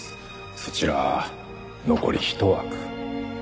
そちら残り１枠。